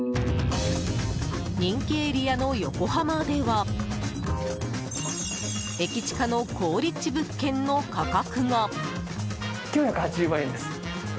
人気エリアの横浜では駅近の好立地物件の価格が。